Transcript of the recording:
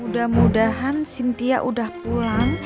mudah mudahan sintia udah pulang